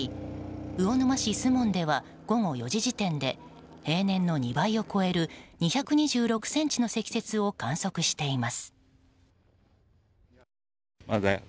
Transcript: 魚沼市守門では午後４時時点で平年の２倍を超える２２６ｃｍの積雪を観測しています。